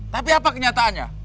tapi apa kenyataannya